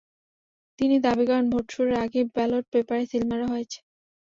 তিনি দাবি করেন, ভোট শুরুর আগেই ব্যালট পেপারে সিল মারা হয়েছে।